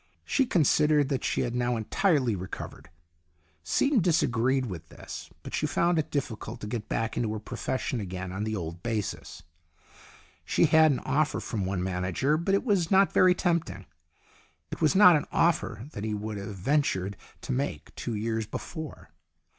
She considered that she had now entirely recovered Seaton disagreed with this but she found it difficult to get back into her profession again on the old basis. She had an offer from one manager, but it was not very tempting. It was not an offer that he would have ventured to make two years before.